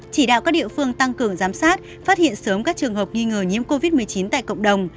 chỉ đạo các địa phương tăng cường giám sát phát hiện sớm các trường hợp nghi ngờ nhiễm covid một mươi chín tại cộng đồng